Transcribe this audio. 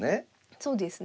そうですね。